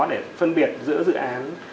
để phân biệt giữa dự án